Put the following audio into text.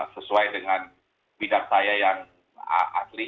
sesuai dengan bidang saya yang asli